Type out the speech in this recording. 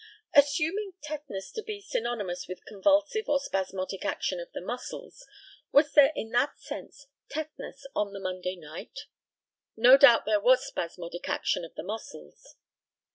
Assuming tetanus to be synonymous with convulsive or spasmodic action of the muscles, was there in that sense tetanus on the Monday night? No doubt there was spasmodic action of the muscles.